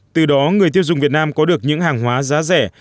từ đó người tiêu dùng việt nam có được những hàng hóa giá rẻ